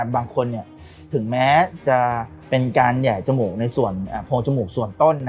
บางคนถึงแม้จะเป็นการแห่จมูกในส่วนโพงจมูกส่วนต้น